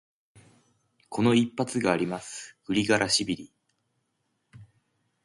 この一発があります、グリガラシビリ。